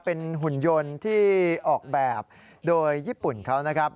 เป็นหุ่นยนต์ที่ออกแบบโดยญี่ปุ่นเขานะครับ